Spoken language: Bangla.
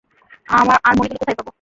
আর মণিগুলো কোথায় পাব?